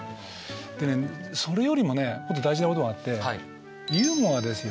でねそれよりもねもっと大事なことがあってユーモアですよね。